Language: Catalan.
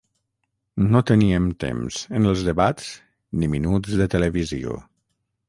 No teníem temps en els debats ni minuts de televisió.